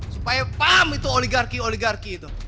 supaya paham itu oligarki oligarki itu